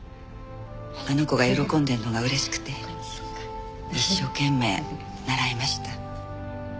あの子が喜んでるのが嬉しくて一生懸命習いました。